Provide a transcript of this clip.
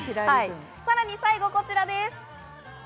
さらに最後、こちらです。